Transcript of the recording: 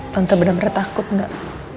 tante benar benar takut nggak